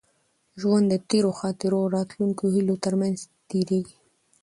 ژوند د تېرو خاطرو او راتلونکو هیلو تر منځ تېرېږي.